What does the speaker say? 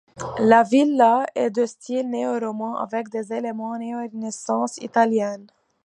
La villa est de style néoroman avec des éléments néorenaissance italienne.